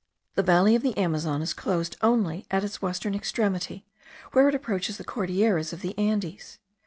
The valley of the Amazon is closed only at its western extremity, where it approaches the Cordilleras of the Andes.